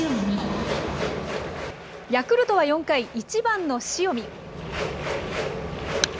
ヤクルトは４回、１番の塩見。